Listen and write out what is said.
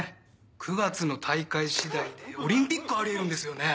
９月の大会次第でオリンピックあり得るんですよね？